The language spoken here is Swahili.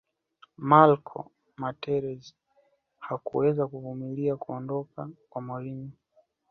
marco materazi hakuweza kuvumilia kuondoka kwa mourinho